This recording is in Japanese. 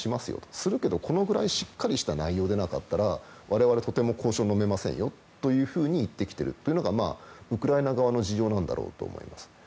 するけどこのぐらいしっかりした内容でなかったら我々はとても交渉はのめませんよというふうに言ってきているというのがウクライナ側の事情なんだろうと思います。